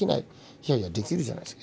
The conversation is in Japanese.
いやいやできるじゃないですか。